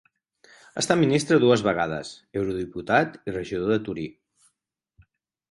Ha estat ministre dues vegades, eurodiputat i regidor de Torí.